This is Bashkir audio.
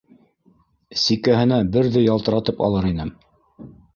Сикәһенә берҙе ялтыратып алыр инем.